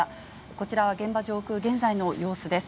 こちらは現場上空、現在の様子です。